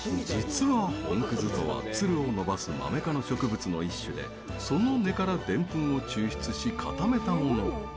実は、本葛とは、つるを伸ばすマメ科の植物の一種でその根からデンプンを抽出し固めたもの。